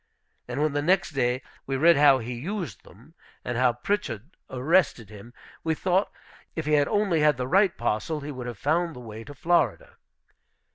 And when the next day we read how he used them, and how Pritchard arrested him, we thought if he had only had the right parcel he would have found the way to Florida.